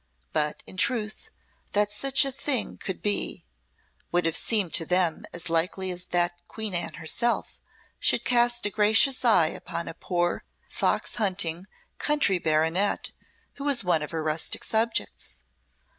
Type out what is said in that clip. But, in truth, that such a thing could be, would have seemed to them as likely as that Queen Anne herself should cast a gracious eye upon a poor, fox hunting, country baronet who was one of her rustic subjects.